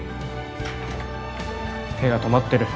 手が止まってる。